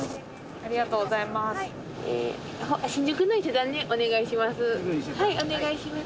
ありがとうございます。